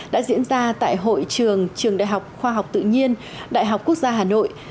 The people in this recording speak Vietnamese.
đã diễn ra tại hội trường trường đại học khoa học tự nhiên đại học quốc gia hà nội